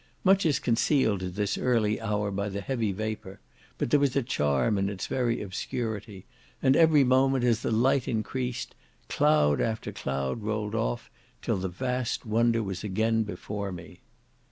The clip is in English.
Much is concealed at this early hour by the heavy vapour, but there was a charm in the very obscurity; and every moment, as the light increased, cloud after cloud rolled off, till the vast wonder was again before me.